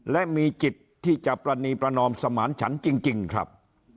และมีจิตที่จะปรณีประนอมสมานฉันจริงครับ